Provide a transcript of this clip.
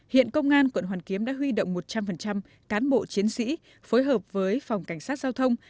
hiện công an quận hoàn kiếm đã huy động một trăm linh cán bộ chiến sĩ phối hợp với phòng cảnh sát giao thông